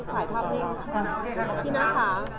ขายภาพนิ่ง